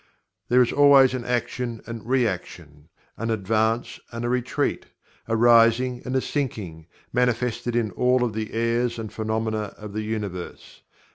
There is always an action and reaction; an advance and a retreat; a rising and a sinking; manifested in all of the airs and phenomena of the Universe.